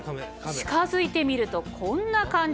近づいてみるとこんな感じ。